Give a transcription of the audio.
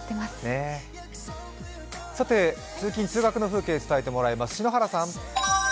さて、通勤通学の風景、伝えてもらいます。